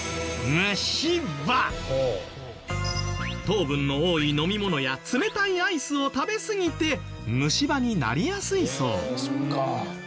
糖分の多い飲み物や冷たいアイスを食べすぎて虫歯になりやすいそう。